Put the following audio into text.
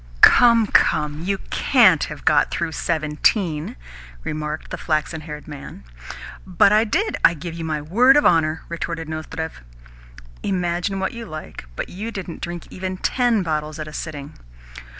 "Come, come! You CAN'T have got through seventeen," remarked the flaxen haired man. "But I did, I give my word of honour," retorted Nozdrev. "Imagine what you like, but you didn't drink even TEN bottles at a sitting."